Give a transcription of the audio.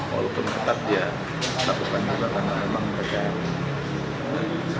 walaupun ketat ya lakukan juga karena memang berjaya